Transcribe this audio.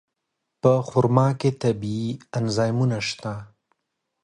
په خرما کې طبیعي انزایمونه شته.